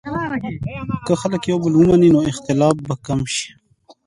که خلک یو بل ومني، نو اختلاف به کم شي.